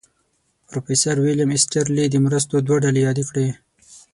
پروفیسر ویلیم ایسټرلي د مرستو دوه ډلې یادې کړې.